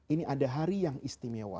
ini ada hari yang istimewa